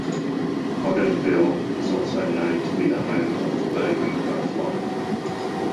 Modanville is also known to be the home of the Birdwing butterfly.